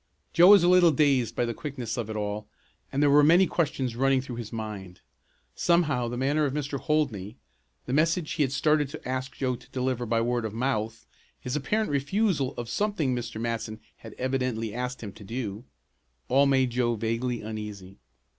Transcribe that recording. Joe was a little dazed by the quickness of it all, and there were many questions running through his mind. Somehow the manner of Mr. Holdney the message he had started to ask Joe to deliver by word of mouth, his apparent refusal of something Mr. Matson had evidently asked him to do all made Joe vaguely uneasy.